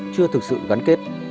chưa thực sự gắn kết